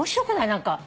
何か。